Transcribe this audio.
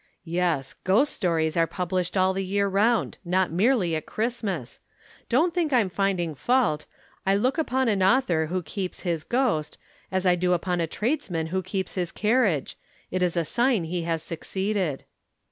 '" "Yes. Ghost stories are published all the year round not merely at Christmas. Don't think I'm finding fault. I look upon an author who keeps his ghost, as I do on a tradesmen who keeps his carriage. It is a sign he has succeeded."